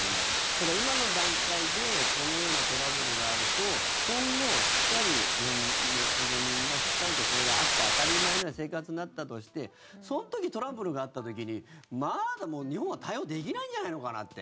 ただ、今の段階でこのようなトラブルがあると今後、しっかり日本の国民がしっかりと、これがあって当たり前のような生活になったとしてその時、トラブルがあった時に日本は対応できないんじゃないかって。